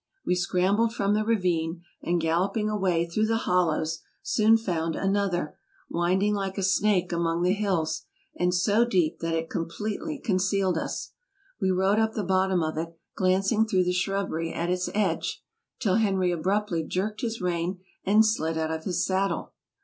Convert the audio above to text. We scrambled from this ravine, and galloping away through the hollows, soon found another, winding like a snake among the hills, and so deep that it completely con cealed us. We rode up the bottom of it, glancing through the shrubbery at its edge, till Henry abruptly jerked his rein and slid out of his saddle.